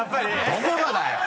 どこがだよ！